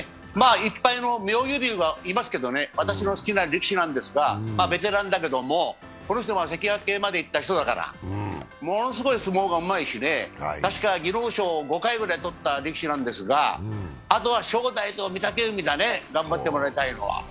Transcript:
１敗の妙義龍はいますけどね、私の好きな力士なんですが、ベテランだけどもこの人は関脇までいった人だから、ものすごい相撲がうまいしたしか技能賞を５回ぐらい取った力士なんですが、あとは正代と御嶽海だね、頑張ってもらいたいのは。